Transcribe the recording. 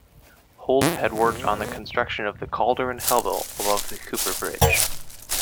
Holt had worked on the construction of the Calder and Hebble above Cooper Bridge.